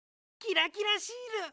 キラキラシール！